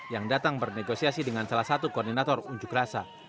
yang datang bernegosiasi dengan salah satu koordinator unjuk rasa